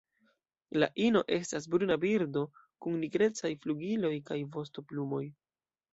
La ino estas bruna birdo kun nigrecaj flugiloj kaj vostoplumoj.